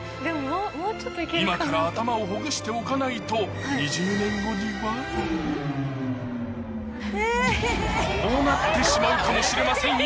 今から頭をほぐしておかないとこうなってしまうかもしれませんよ